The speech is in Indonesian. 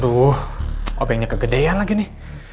aduh obengnya kegedean lagi nih